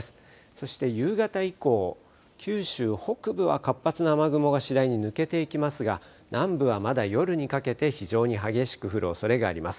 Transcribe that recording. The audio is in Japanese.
そして夕方以降、九州北部は活発な雨雲が次第に抜けていきますが南部はまだ夜にかけて非常に激しく降るおそれがあります。